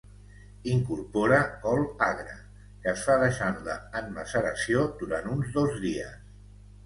Incorpora col agra que es fa deixant-la en maceració durant uns dos dies.